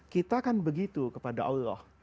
kita kan begitu kepada allah